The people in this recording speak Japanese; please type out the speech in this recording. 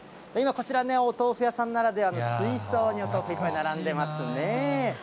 今、こちらね、お豆腐屋さんならではで、水槽にお豆腐が並んでますね。